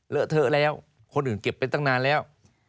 เทอะแล้วคนอื่นเก็บไปตั้งนานแล้ว